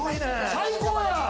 最高や！